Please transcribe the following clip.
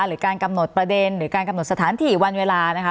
หรือการกำหนดประเด็นหรือการกำหนดสถานที่วันเวลานะคะ